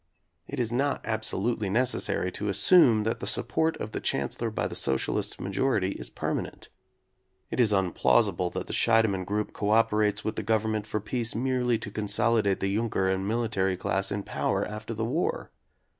It is not absolutely necessary to assume that the support of the Chancellor by the socialist majority is permanent. It is unplausible that the Scheide mann group cooperates with the Government for peace merely to consolidate the Junker and mili tary class in power after the war.